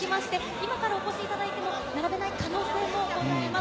今からお越しいただいても並べない可能性もございます。